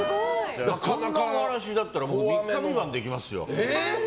こんなお話だったら三日三晩できますよ。